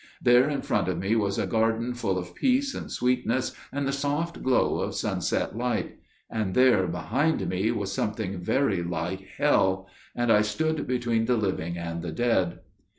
There in front of me was a garden full of peace and sweetness and the soft glow of sunset light; and there behind me was something very like hell––and I stood between the living and the dead.